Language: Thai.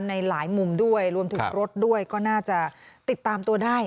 ในหลายมุมด้วยรวมถึงรถด้วยก็น่าจะติดตามตัวได้